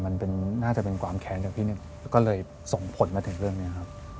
มันน่าจะเป็นความแค้นจากพี่นิดก็เลยส่งผลมาถึงเรื่องนี้ครับ